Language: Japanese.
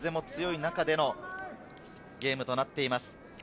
今日は風も強い中でのゲームとなっています。